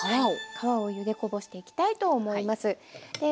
皮をゆでこぼしていきたいと思います。